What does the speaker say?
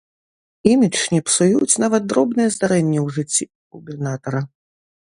Імідж не псуюць нават дробныя здарэнні ў жыцці губернатара.